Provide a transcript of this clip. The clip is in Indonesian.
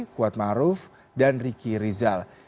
kuat ma'ruf dan ricky rizal